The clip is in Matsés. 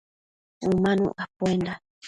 Umanuc capuenda